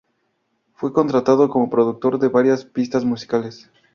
Fue contratado como productor de varias pistas musicales.